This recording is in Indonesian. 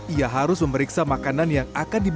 ia harus memeriksa makanan yang akan diberikan